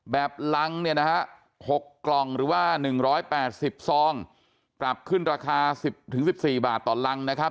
กำลังเนี่ยนะฮะ๖กล่องหรือว่า๑๘๐ซองปรับขึ้นราคา๑๐๑๔บาทต่อรังนะครับ